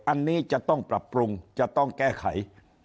อันนี้จะต้องปรับปรุงจะต้องแก้ไข